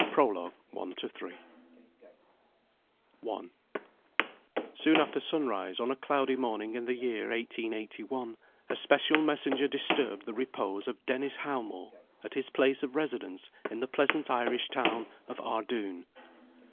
BLIND LOVE THE PROLOGUE I SOON after sunrise, on a cloudy morning in the year 1881, a special messenger disturbed the repose of Dennis Howmore, at his place of residence in the pleasant Irish town of Ardoon.